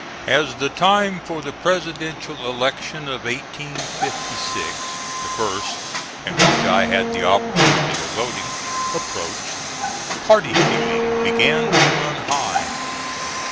As the time for the Presidential election of 1856 the first at which I had the opportunity of voting approached, party feeling began to run high.